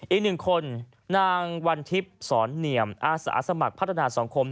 อีกหนึ่งคนนางวันทิพย์สอนเนียมอาสาสมัครพัฒนาสังคม